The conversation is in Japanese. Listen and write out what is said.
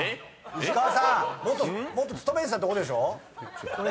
石川さん元勤めてたとこでしょ。